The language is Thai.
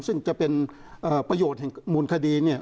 ซึ่งจะเป็นประโยชน์แห่งมูลคดี